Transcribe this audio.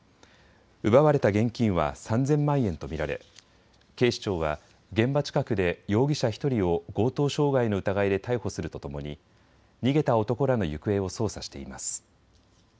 奪われた現金は３０００万円と見られ警視庁は現場近くで容疑者１人を強盗傷害の疑いで逮捕するとともに逃げた男らの行方を捜査しています。